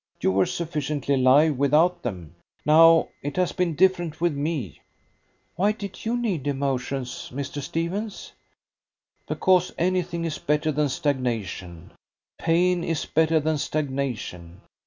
You were sufficiently alive without them. Now it has been different with me." "Why did you need emotions, Mr. Stephens?" "Because anything is better than stagnation. Pain is better than stagnation.